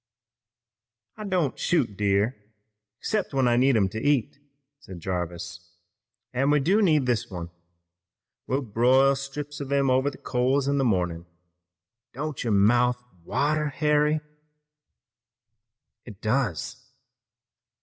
"I don't shoot deer, 'cept when I need 'em to eat," said Jarvis, "an' we do need this one. We'll broil strips of him over the coals in the mornin'. Don't your mouth water, Harry?" "It does."